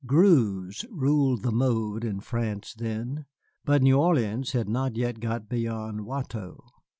Greuze ruled the mode in France then, but New Orleans had not got beyond Watteau.